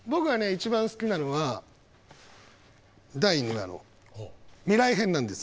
一番好きなのは第２話の「未来編」なんです。